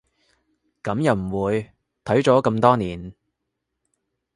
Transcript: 噉又唔會，睇咗咁多年